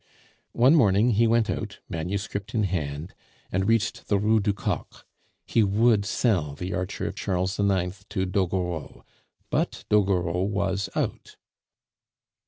One morning he went out, manuscript in hand, and reached the Rue du Coq; he would sell The Archer of Charles IX. to Doguereau; but Doguereau was out.